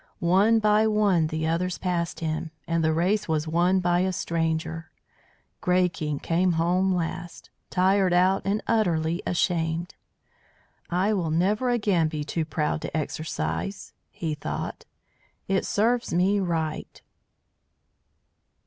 One by one the others passed him; and the race was won by a stranger. Grey King came home last, tired out and utterly ashamed. "I will never again be too proud to exercise," he thought. "It serves me right."